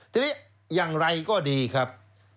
ทีนี้อย่างไรก็ดีครับ